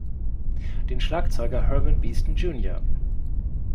Den Schlagzeuger Hermann Beesten Jr.